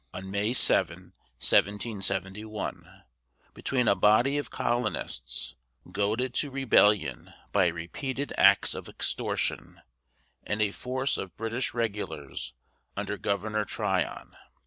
on May 7, 1771, between a body of colonists, goaded to rebellion by repeated acts of extortion, and a force of British regulars under Governor Tryon.